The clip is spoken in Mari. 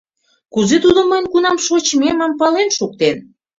Кузе тудо мыйын кунам шочмемым пален шуктен?